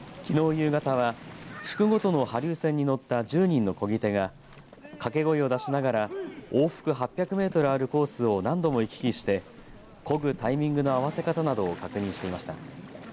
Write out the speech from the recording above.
夕方は地区ごとの爬龍船に乗った１０人のこぎ手が掛け声を出しながら往復８００メートルあるコースを何度も行き来してこぐタイミングの合わせ方などを確認していました。